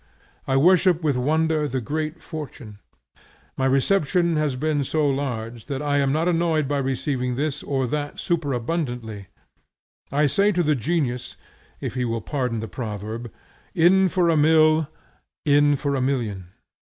I worship with wonder the great Fortune. My reception has been so large, that I am not annoyed by receiving this or that superabundantly. I say to the Genius, if he will pardon the proverb, In for a mill, in for a million.